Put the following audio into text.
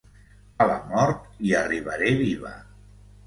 A la mort hi arribaré viva.